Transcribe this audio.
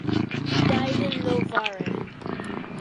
He died in Novare.